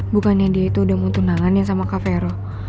bukannya dia itu udah mau tunangannya sama kak fero